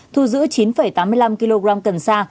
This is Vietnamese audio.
thu giữ chín tám mươi năm kg cần sa